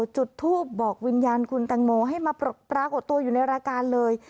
จุดทูปบอกวิญญาณคุณแตงโมให้มาปรากฏตัวอยู่ในรายการเลย